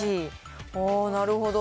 なるほど。